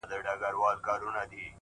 سیاه پوسي ده، ستا غمِستان دی،